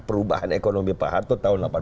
perubahan ekonomi pak harto tahun